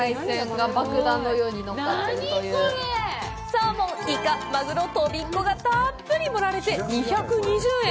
サーモン、イカ、マグロ、とびっ子がたっぷり盛られて２２０円！